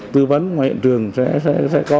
tử vấn ngoài hiện trường sẽ có